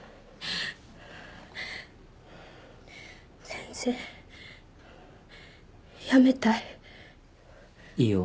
先生やめたいいいよ